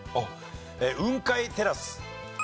雲海テラス。